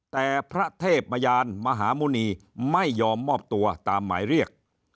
แต่พระเทพมยานมหาหมุณีไม่ยอมมอบตัวตามหมายเรียก